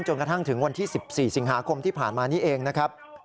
กระทั่งถึงวันที่๑๔สิงหาคมที่ผ่านมานี้เองนะครับ